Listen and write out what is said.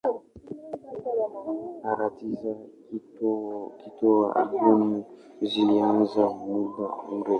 Harakati za kutoa albamu zilianza muda mrefu.